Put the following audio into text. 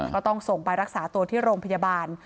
ก็ต้องส่งไปรักษาตัวที่โรงพยาบาล